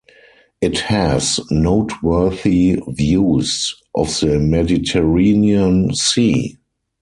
It has noteworthy views of the Mediterranean Sea.